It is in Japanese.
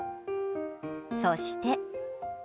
そして。